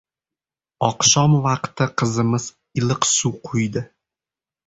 Oqshom vaqti qizimiz iliq suv quydi.